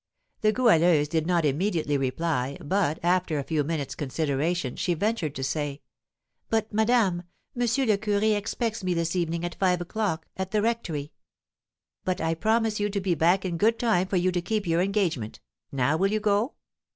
The Goualeuse did not immediately reply, but, after a few minutes' consideration, she ventured to say: "But, madame, M. le Curé expects me this evening, at five o'clock, at the rectory." "But I promise you to be back in good time for you to keep your engagement; now will you go?"